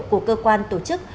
của cơ quan tổ chức